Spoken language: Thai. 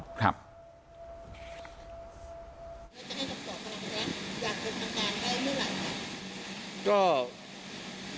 จะให้กับส่วนขนาดนี้อยากกดต่างการได้เมื่อไหร่ครับ